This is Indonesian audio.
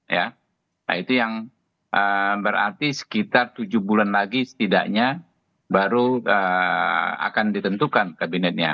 nah itu yang berarti sekitar tujuh bulan lagi setidaknya baru akan ditentukan kabinetnya